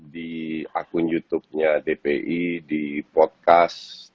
di akun youtubenya dpi di podcast